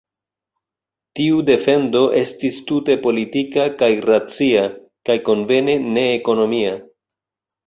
Tiu defendo estis tute politika kaj racia, kaj konvene ne-ekonomia.